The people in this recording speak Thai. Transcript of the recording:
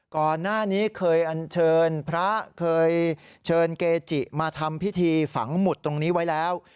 ก่อนหน้านี้เคยอันเชิญพระเคยเชิญเกจิมาทำพิธีฝังหมุดตรงนี้ไว้แล้ว